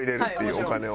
お金を。